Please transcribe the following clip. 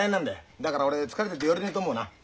だから俺疲れてて寄れねえと思うな。